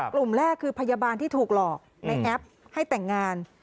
กลุ่มแรกคือพยาบาลที่ถูกหลอกในแอปให้แต่งงาน